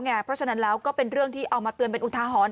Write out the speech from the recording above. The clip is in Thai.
เพราะฉะนั้นแล้วก็เป็นเรื่องที่เอามาเตือนเป็นอุทาหรณ